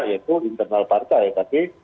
yaitu internal partai tapi